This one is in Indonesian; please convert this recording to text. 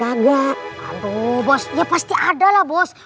aduh bos ya pasti ada lah bos